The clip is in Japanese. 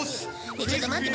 ねえちょっと待って。